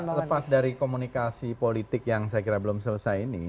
lepas dari komunikasi politik yang saya kira belum selesai ini